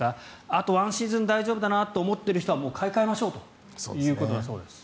あと１シーズン大丈夫だなと思っている人はもう買い替えましょうということだそうです。